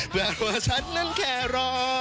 เบื่อกลัวฉันนั้นแค่รอ